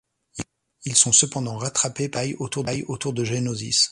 Ils sont cependant rattraper par le Jedi autour de Géonosis.